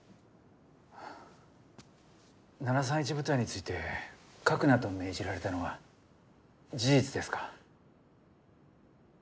７３１部隊について書くなと命じられたのは事実ですか？